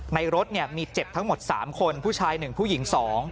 ในรถมีเจ็บทั้งหมด๓คนผู้ชาย๑ผู้หญิง๒